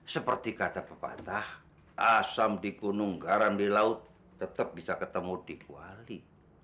seperti kata pepatah asam di gunung garam di laut tetap bisa ketemu di kuali